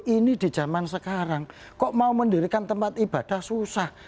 ini di zaman sekarang kok mau mendirikan tempat ibadah susah